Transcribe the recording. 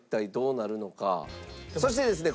そしてですね